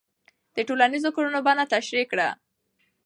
د ټولنیزو کړنو بڼه تشریح کړه.